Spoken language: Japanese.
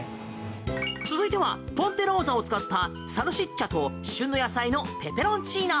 続いてはポンテローザを使ったサルシッチャと旬の野菜のペペロンチーノ。